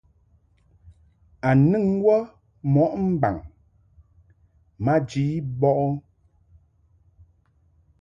A nɨŋ wə mo mbaŋ maji bɔʼɨ ?